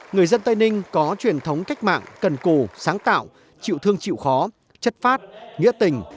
người dân tây ninh có truyền thống cách mạng cần cù sáng tạo chịu thương chịu khó chất phát nghĩa tình